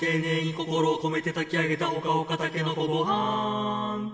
「心をこめてたき上げたほかほかたけのこごはん！」